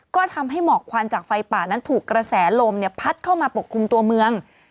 ก็ทำให้หมอกควันจากไฟป่านั้นถูกกระแสลมพัดเข้ามาปกคลุมตัวเมือง